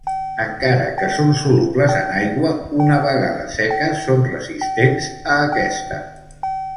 Encara que són solubles en aigua, una vegada seques són resistents a aquesta.